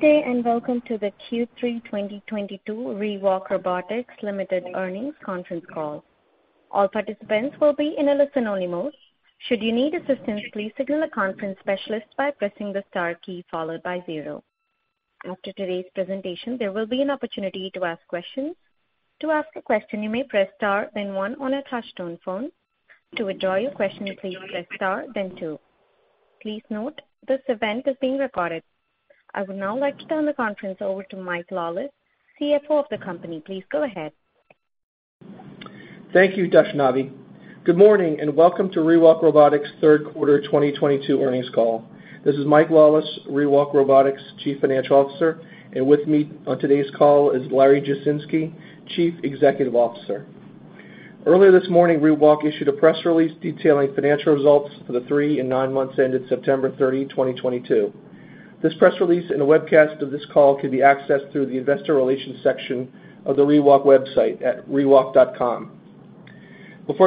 Good day, and welcome to the Q3 2022 ReWalk Robotics Ltd. earnings conference call. All participants will be in a listen-only mode. Should you need assistance, please signal the conference specialist by pressing the star key followed by zero. After today's presentation, there will be an opportunity to ask questions. To ask a question, you may press star then one on a touchtone phone. To withdraw your question, please press star then two. Please note this event is being recorded. I would now like to turn the conference over to Michael Lawless, CFO of the company. Please go ahead. Thank you, Dashnavi. Good morning, and welcome to ReWalk Robotics third quarter 2022 earnings call. This is Michael Lawless, ReWalk Robotics Chief Financial Officer, and with me on today's call is Larry Jasinski, Chief Executive Officer. Earlier this morning, ReWalk issued a press release detailing financial results for the three and nine months ended September 30, 2022. This press release and a webcast of this call can be accessed through the investor relations section of the ReWalk website at rewalk.com. Before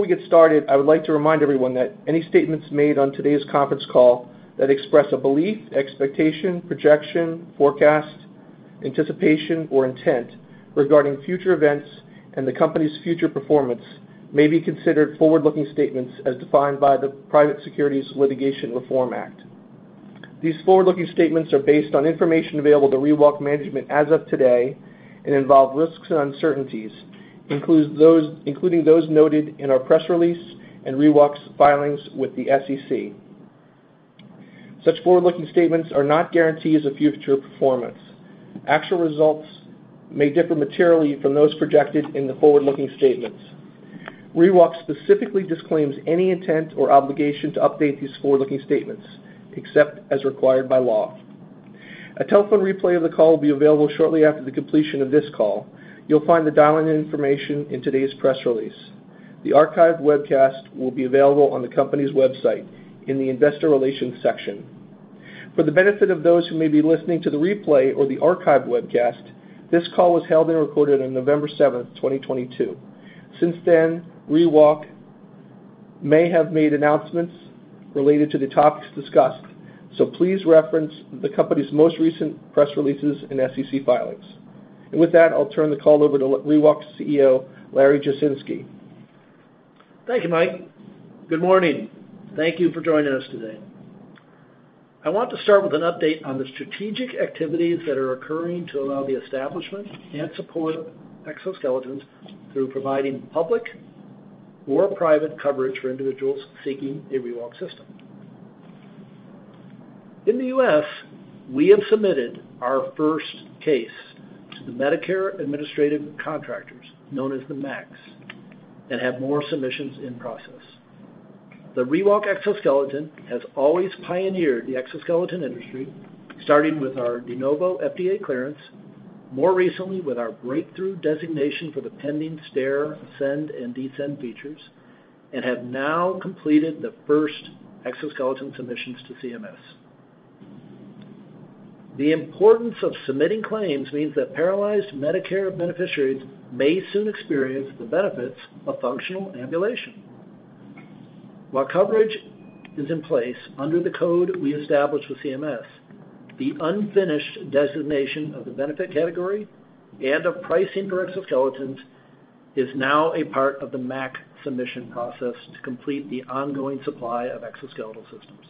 we get started, I would like to remind everyone that any statements made on today's conference call that express a belief, expectation, projection, forecast, anticipation, or intent regarding future events and the company's future performance may be considered forward-looking statements as defined by the Private Securities Litigation Reform Act. These forward-looking statements are based on information available to ReWalk management as of today and involve risks and uncertainties, including those noted in our press release and ReWalk's filings with the SEC. Such forward-looking statements are not guarantees of future performance. Actual results may differ materially from those projected in the forward-looking statements. ReWalk specifically disclaims any intent or obligation to update these forward-looking statements, except as required by law. A telephone replay of the call will be available shortly after the completion of this call. You'll find the dialing information in today's press release. The archived webcast will be available on the company's website in the investor relations section. For the benefit of those who may be listening to the replay or the archived webcast, this call was held and recorded on November 7, 2022. Since then, ReWalk may have made announcements related to the topics discussed, so please reference the company's most recent press releases and SEC filings. With that, I'll turn the call over to ReWalk's CEO, Larry Jasinski. Thank you, Mike. Good morning. Thank you for joining us today. I want to start with an update on the strategic activities that are occurring to allow the establishment and support of exoskeletons through providing public or private coverage for individuals seeking a ReWalk system. In the U.S., we have submitted our first case to the Medicare Administrative Contractors, known as the MACs, and have more submissions in process. The ReWalk exoskeleton has always pioneered the exoskeleton industry, starting with our De Novo FDA clearance. More recently with our breakthrough designation for the pending stair ascend and descend features, and have now completed the first exoskeleton submissions to CMS. The importance of submitting claims means that paralyzed Medicare beneficiaries may soon experience the benefits of functional ambulation. While coverage is in place under the code we established with CMS, the unfinished designation of the benefit category and of pricing for exoskeletons is now a part of the MAC submission process to complete the ongoing supply of exoskeletal systems.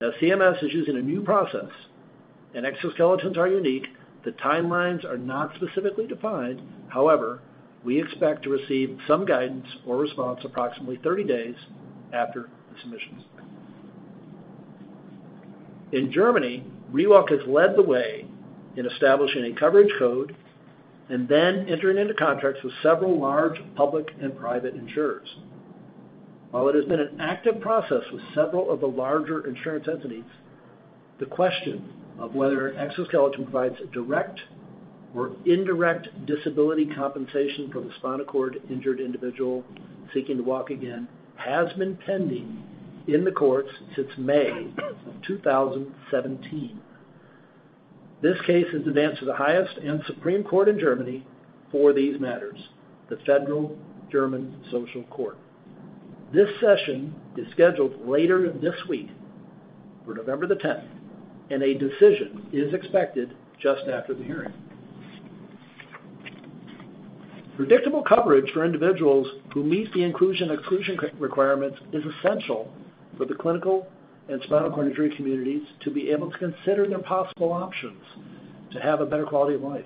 CMS is using a new process, and exoskeletons are unique. The timelines are not specifically defined. However, we expect to receive some guidance or response approximately 30 days after the submissions. In Germany, ReWalk has led the way in establishing a coverage code and then entering into contracts with several large public and private insurers. While it has been an active process with several of the larger insurance entities, the question of whether an exoskeleton provides direct or indirect disability compensation for the spinal cord injured individual seeking to walk again has been pending in the courts since May of 2017. This case has advanced to the highest end Supreme Court in Germany for these matters, the Federal Social Court. This session is scheduled later this week for November the tenth, and a decision is expected just after the hearing. Predictable coverage for individuals who meet the inclusion/exclusion requirements is essential for the clinical and spinal cord injury communities to be able to consider their possible options to have a better quality of life.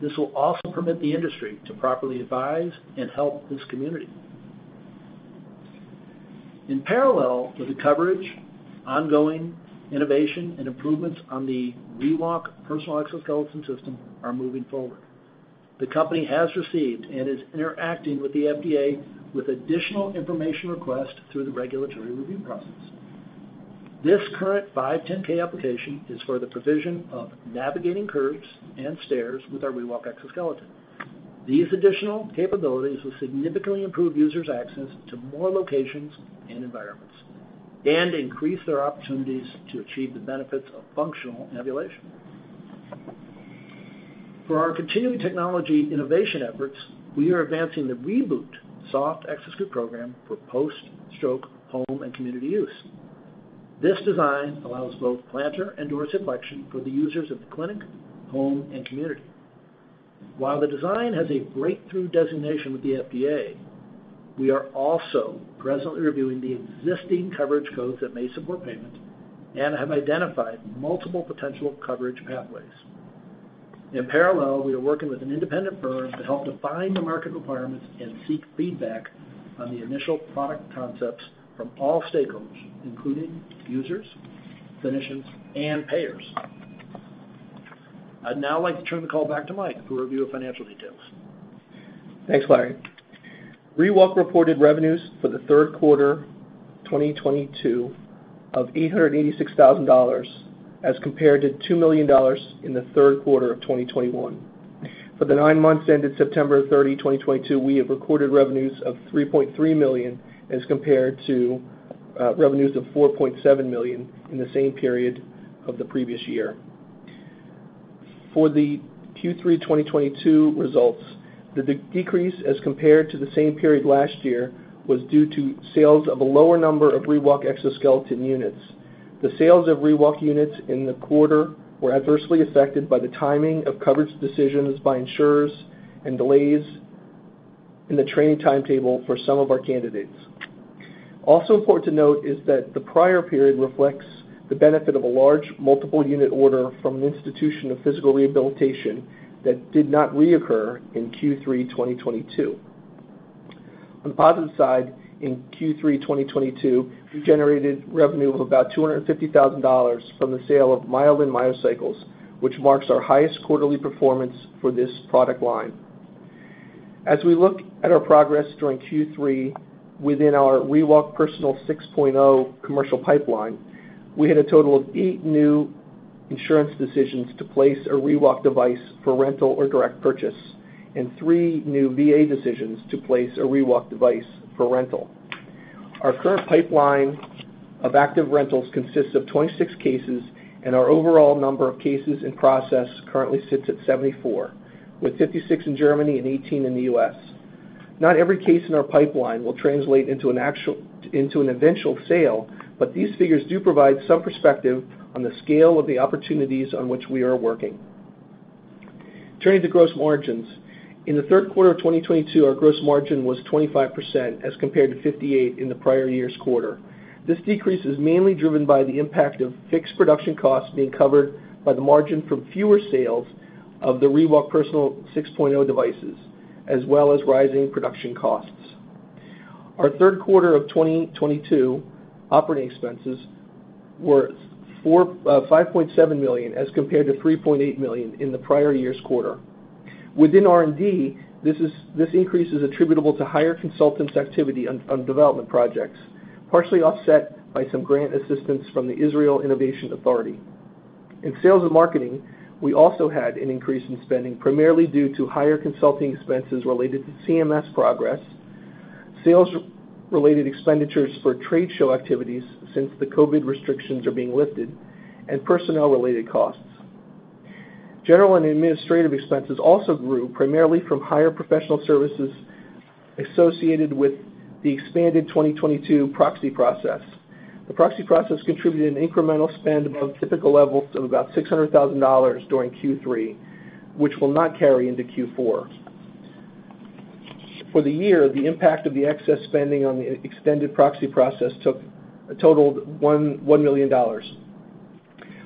This will also permit the industry to properly advise and help this community. In parallel with the coverage, ongoing innovation and improvements on the ReWalk personal exoskeleton system are moving forward. The company has received and is interacting with the FDA with additional information request through the regulatory review process. This current 510(k) application is for the provision of navigating curves and stairs with our ReWalk Exoskeleton. These additional capabilities will significantly improve users' access to more locations and environments and increase their opportunities to achieve the benefits of functional ambulation. For our continuing technology innovation efforts, we are advancing the ReBoot Soft Exo-Suit program for post-stroke home and community use. This design allows both plantar and dorsiflexion for the users of the clinic, home, and community. While the design has a breakthrough designation with the FDA, we are also presently reviewing the existing coverage codes that may support payment and have identified multiple potential coverage pathways. In parallel, we are working with an independent firm to help define the market requirements and seek feedback on the initial product concepts from all stakeholders, including users, clinicians, and payers. I'd now like to turn the call back to Mike for a review of financial details. Thanks, Larry. ReWalk reported revenues for the third quarter 2022 of $886,000 as compared to $2 million in the third quarter of 2021. For the nine months ended September 30, 2022, we have recorded revenues of $3.3 million as compared to revenues of $4.7 million in the same period of the previous year. For the Q3 2022 results, the decrease as compared to the same period last year was due to sales of a lower number of ReWalk Exoskeleton units. The sales of ReWalk units in the quarter were adversely affected by the timing of coverage decisions by insurers and delays in the training timetable for some of our candidates. Also important to note is that the prior period reflects the benefit of a large multiple unit order from an institution of physical rehabilitation that did not reoccur in Q3 2022. On the positive side, in Q3 2022, we generated revenue of about $250,000 from the sale of ReWalk and MyoCycle, which marks our highest quarterly performance for this product line. As we look at our progress during Q3 within our ReWalk Personal 6.0 commercial pipeline, we had a total of eight new insurance decisions to place a ReWalk device for rental or direct purchase, and three new VA decisions to place a ReWalk device for rental. Our current pipeline of active rentals consists of 26 cases, and our overall number of cases in process currently sits at 74, with 56 in Germany and 18 in the U.S. Not every case in our pipeline will translate into an actual into an eventual sale, but these figures do provide some perspective on the scale of the opportunities on which we are working. Turning to gross margins. In the third quarter of 2022, our gross margin was 25% as compared to 58% in the prior year's quarter. This decrease is mainly driven by the impact of fixed production costs being covered by the margin from fewer sales of the ReWalk Personal 6.0 devices, as well as rising production costs. Our third quarter of 2022 operating expenses were $5.7 million as compared to $3.8 million in the prior year's quarter. Within R&D, this increase is attributable to higher consultants' activity on development projects, partially offset by some grant assistance from the Israel Innovation Authority. In sales and marketing, we also had an increase in spending, primarily due to higher consulting expenses related to CMS progress, sales-related expenditures for trade show activities since the COVID restrictions are being lifted, and personnel-related costs. General and administrative expenses also grew primarily from higher professional services associated with the expanded 2022 proxy process. The proxy process contributed an incremental spend above typical levels of about $600,000 during Q3, which will not carry into Q4. For the year, the impact of the excess spending on the extended proxy process took a total of $1 million.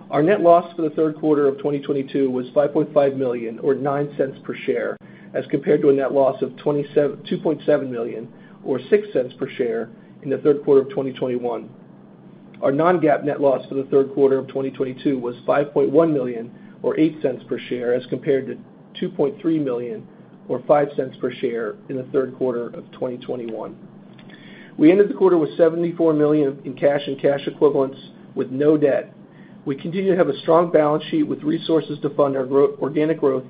Our net loss for the third quarter of 2022 was $5.5 million or $0.09 per share, as compared to a net loss of $2.7 million or $0.06 per share in the third quarter of 2021. Our non-GAAP net loss for the third quarter of 2022 was $5.1 million or $0.08 per share, as compared to $2.3 million or $0.05 per share in the third quarter of 2021. We ended the quarter with $74 million in cash and cash equivalents with no debt. We continue to have a strong balance sheet with resources to fund our growth, organic growth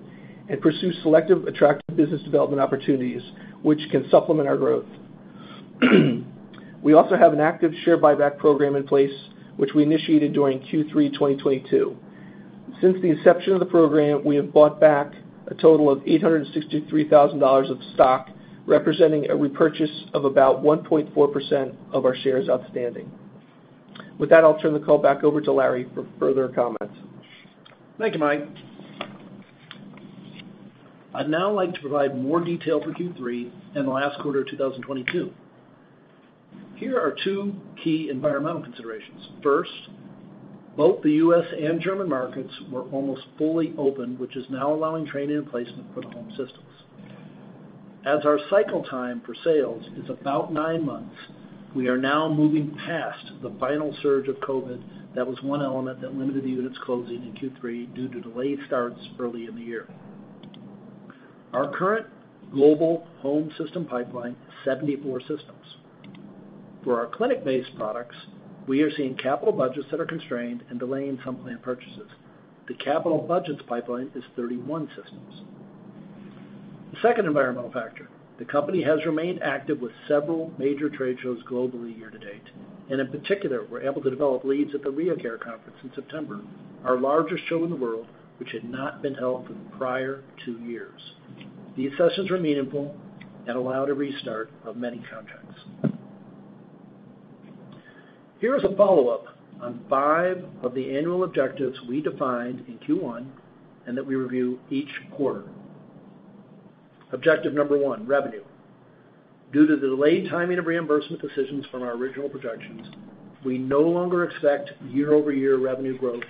and pursue selective attractive business development opportunities which can supplement our growth. We also have an active share buyback program in place which we initiated during Q3 2022. Since the inception of the program, we have bought back a total of $863,000 of stock, representing a repurchase of about 1.4% of our shares outstanding. With that, I'll turn the call back over to Larry for further comments. Thank you, Mike. I'd now like to provide more detail for Q3 and the last quarter of 2022. Here are two key environmental considerations. First, both the U.S. and German markets were almost fully open, which is now allowing training and placement for the home systems. As our cycle time for sales is about nine months, we are now moving past the final surge of COVID. That was one element that limited the units closing in Q3 due to delayed starts early in the year. Our current global home system pipeline is 74 systems. For our clinic-based products, we are seeing capital budgets that are constrained and delaying some planned purchases. The capital budgets pipeline is 31 systems. The second environmental factor, the company has remained active with several major trade shows globally year to date. In particular, we're able to develop leads at the REHACARE conference in September, our largest show in the world, which had not been held for the prior two years. These sessions were meaningful and allowed a restart of many contracts. Here is a follow-up on five of the annual objectives we defined in Q1 and that we review each quarter. Objective number one, revenue. Due to the delayed timing of reimbursement decisions from our original projections, we no longer expect year-over-year revenue growth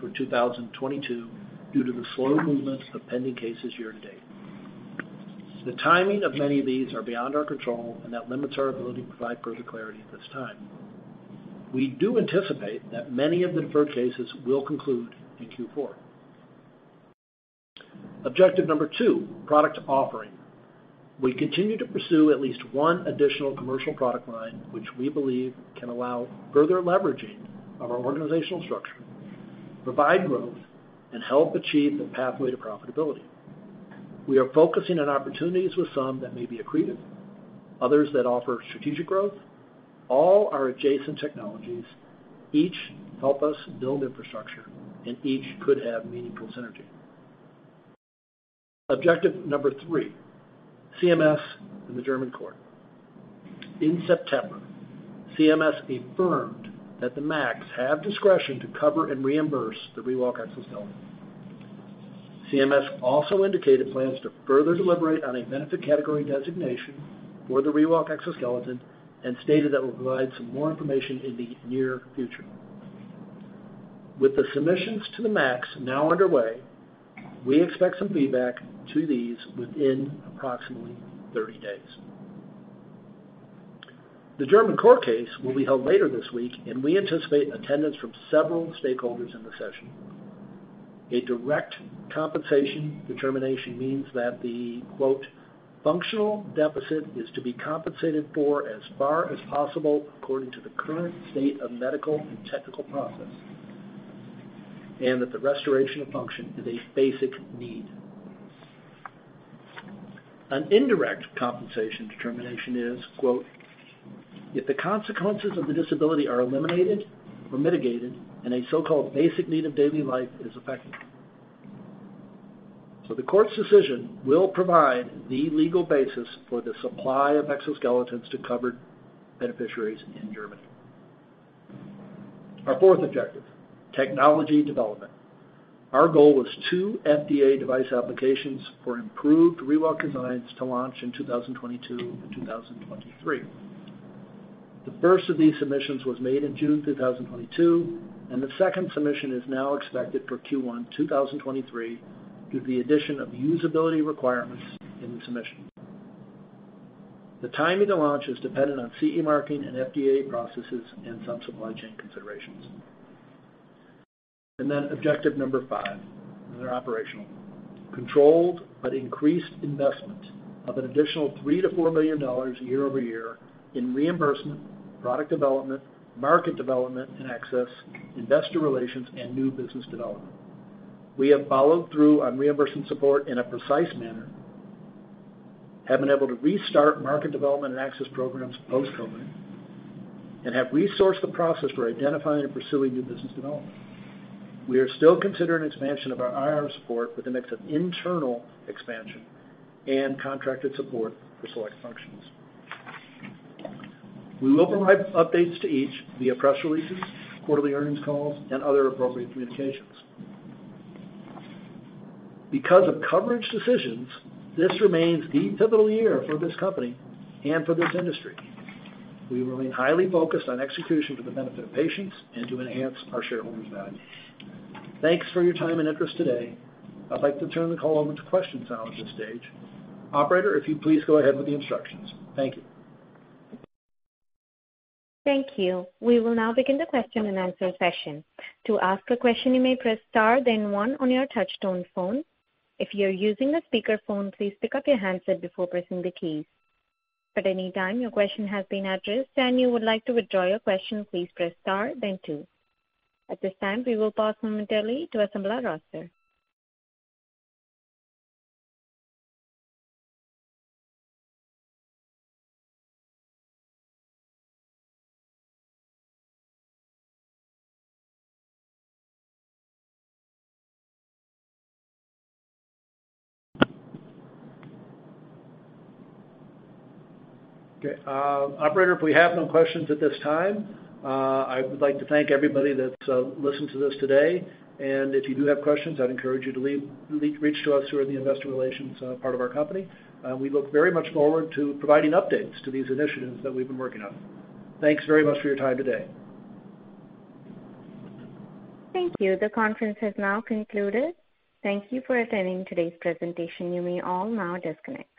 for 2022 due to the slow movements of pending cases year to date. The timing of many of these are beyond our control, and that limits our ability to provide further clarity at this time. We do anticipate that many of the deferred cases will conclude in Q4. Objective number two, product offering. We continue to pursue at least one additional commercial product line, which we believe can allow further leveraging of our organizational structure, provide growth, and help achieve the pathway to profitability. We are focusing on opportunities with some that may be accretive, others that offer strategic growth. All are adjacent technologies. Each help us build infrastructure and each could have meaningful synergy. Objective number three, CMS and the German court. In September, CMS affirmed that the MACs have discretion to cover and reimburse the ReWalk Exoskeleton. CMS also indicated plans to further deliberate on a benefit category designation for the ReWalk Exoskeleton and stated that we'll provide some more information in the near future. With the submissions to the MACs now underway, we expect some feedback to these within approximately 30 days. The German court case will be held later this week, and we anticipate attendance from several stakeholders in the session. A direct compensation determination means that the, quote, "functional deficit is to be compensated for as far as possible according to the current state of medical and technical process," and that the restoration of function is a basic need. An indirect compensation determination is, quote, "If the consequences of the disability are eliminated or mitigated and a so-called basic need of daily life is affected." The court's decision will provide the legal basis for the supply of exoskeletons to covered beneficiaries in Germany. Our fourth objective, technology development. Our goal was two FDA device applications for improved ReWalk designs to launch in 2022 and 2023. The first of these submissions was made in June 2022, and the second submission is now expected for Q1 2023 due to the addition of usability requirements in the submission. The timing to launch is dependent on CE marking and FDA processes and some supply chain considerations. Objective number five, and they're operational. Controlled but increased investment of an additional $3 million-$4 million year-over-year in reimbursement, product development, market development and access, investor relations, and new business development. We have followed through on reimbursement support in a precise manner, have been able to restart market development and access programs post-COVID, and have resourced the process for identifying and pursuing new business development. We are still considering expansion of our IR support with a mix of internal expansion and contracted support for select functions. We will provide updates to each via press releases, quarterly earnings calls, and other appropriate communications. Because of coverage decisions, this remains the pivotal year for this company and for this industry. We remain highly focused on execution for the benefit of patients and to enhance our shareholders' value. Thanks for your time and interest today. I'd like to turn the call over to questions now at this stage. Operator, if you'd please go ahead with the instructions. Thank you. Thank you. We will now begin the question and answer session. To ask a question, you may press star then one on your touchtone phone. If you're using a speakerphone, please pick up your handset before pressing the keys. At any time your question has been addressed and you would like to withdraw your question, please press star then two. At this time, we will pause momentarily to assemble our roster. Okay, operator, if we have no questions at this time, I would like to thank everybody that's listened to this today. If you do have questions, I'd encourage you to reach out to us who are in the investor relations part of our company. We look very much forward to providing updates to these initiatives that we've been working on. Thanks very much for your time today. Thank you. The conference has now concluded. Thank you for attending today's presentation. You may all now disconnect.